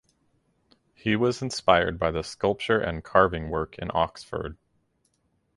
He was inspired by the sculpture and carving work in Oxford.